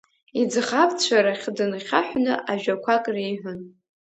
Иӡӷабцәа рахь дынхьаҳәны ажәақәак реиҳәон.